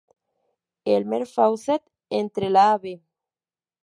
Elmer Faucett, entre la Av.